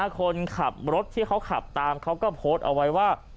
คนขับรถที่เขาขับตามเขาก็โพสต์เอาไว้ว่า